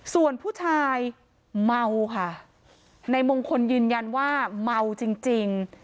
ส่วนผู้ชายเมาค่ะนายมงคลยืนยันว่าเมาจริงจริง